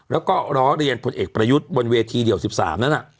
แล้วก็ล้อเรียนผลเอกประยุทธ์บนเวทีเดี่ยว๑๓นั้น